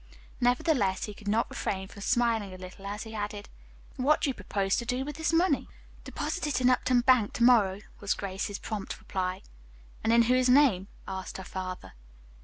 Nevertheless, he could not refrain from smiling a little as he added, "What do you propose to do with this money?" "Deposit it in Upton Bank, to morrow," was Grace's prompt reply. "And in whose name?" asked her father.